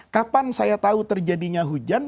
kapan saya tahu terjadinya hujan